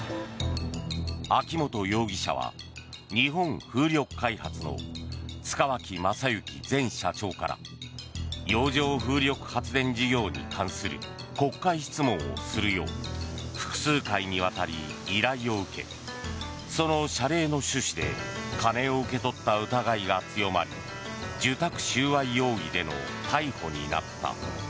秋本容疑者は日本風力開発の塚脇正幸前社長から洋上風力発電事業に関する国会質問をするよう複数回にわたり依頼を受けその謝礼の趣旨でカネを受け取った疑いが強まり受託収賄容疑での逮捕になった。